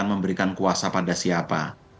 dan memberikan kuasa pada siapa